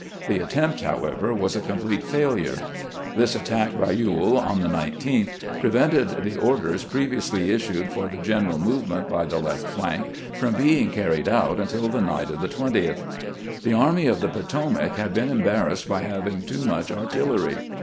The attempt, however, was a coBfiplete failure. t'his attack by EweU on the 19th prevented the orders previously issued for the general movement by the left flank from being carried out until the night of the 20th. The Army of the Potomac had been embarrassed by having too much artillery.